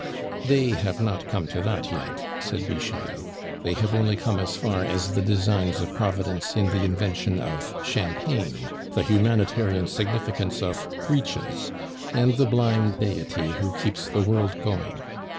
"They have not come to that yet," said Bixiou; "they have only come as far as the designs of Providence in the invention of champagne, the humanitarian significance of breeches, and the blind deity who keeps the world going.